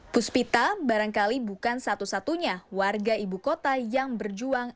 puspita barangkali bukan satu satunya warga ibu kota yang berjuang